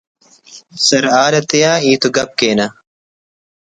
سرحال آتیا ہیت و گپ کینہ